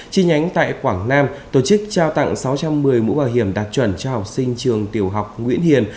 chi nhánh tại quảng nam tổ chức trao tặng sáu trăm một mươi mũ bảo hiểm đạt chuẩn cho học sinh trường tiểu học nguyễn hiền